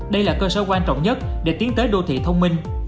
đây là cơ sở quan trọng nhất để tiến tới đô thị thông minh